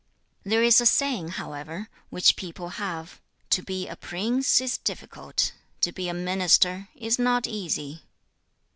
'There is a saying, however, which people have "To be a prince is difficult; to be a minister is not easy."